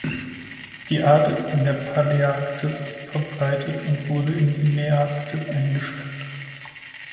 Die Art ist in der Paläarktis verbreitet und wurde in die Nearktis eingeschleppt.